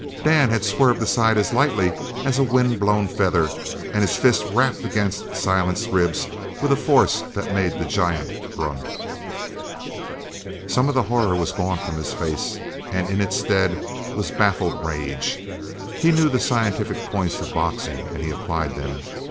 Dan had swerved aside as lightly as a wind blown feather and his fist rapped against Silent's ribs with a force that made the giant grunt. Some of the horror was gone from his face and in its stead was baffled rage. He knew the scientific points of boxing, and he applied them.